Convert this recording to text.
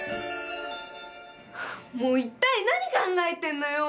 もう一体何考えてんのよ！